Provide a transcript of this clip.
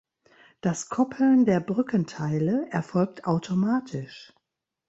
Das Koppeln der Brückenteile erfolgt automatisch.